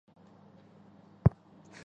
名誉资深大律师是否大律师？